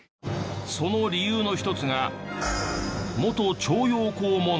その理由の一つが。